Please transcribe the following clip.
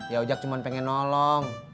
ya ujak cuma pengen nolong